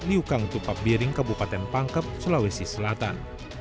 liukang tupak biring kabupaten pangkep sulawesi selatan